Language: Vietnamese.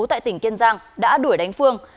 tại tỉnh kiên giang đã đuổi đánh phương